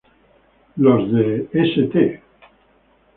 Los de St.